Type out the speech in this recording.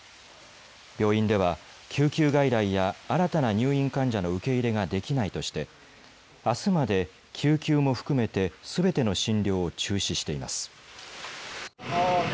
病院では救急外来や新たな入院患者の受け入れができないとしてあすまで救急も含めてすべての診療を中止しています。